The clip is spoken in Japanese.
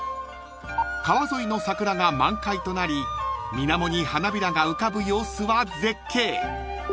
［川沿いの桜が満開となり水面に花びらが浮かぶ様子は絶景］